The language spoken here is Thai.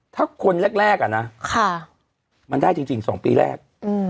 ถ้าคนแรกแรกอ่ะน่ะค่ะมันได้จริงจริงสองปีแรกอืม